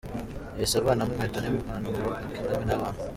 Yahise avanamo inkweto n’impanto ngo akinane n’abana.